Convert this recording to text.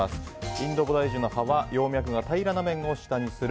インドボダイジュの葉は葉脈が平らな面を下にする。